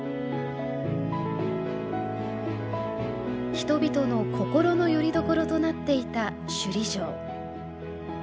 人々の心のよりどころとなっていた首里城。